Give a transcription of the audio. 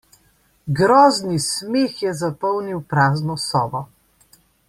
Grozni smeh je zapolnil prazno sobo.